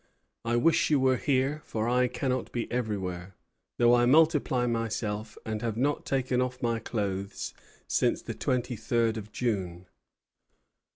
I wish you were here; for I cannot be everywhere, though I multiply myself, and have not taken off my clothes since the twenty third of June."